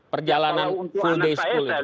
perjalanan full day school